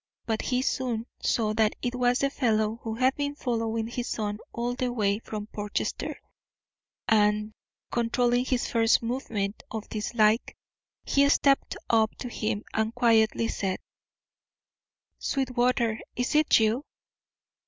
But he soon saw that it was the fellow who had been following his son all the way from Portchester, and, controlling his first movement of dislike, he stepped up to him and quietly said: "Sweetwater, is this you?"